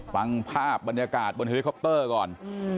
ฟังภาพบรรยากาศบนเฮอร์ลิคอปเตอร์